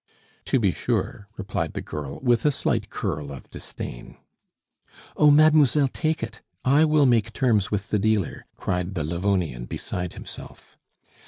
"To be sure!" replied the girl, with a slight curl of disdain. "Oh! mademoiselle, take it; I will make terms with the dealer," cried the Livonian, beside himself.